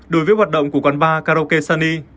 đối với hoạt động của quán bar karaoke sunny